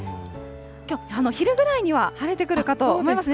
昼ぐらいには晴れてくるかと思いますね。